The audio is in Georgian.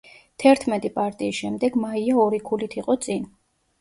თერთმეტი პარტიის შემდეგ მაია ორი ქულით იყო წინ.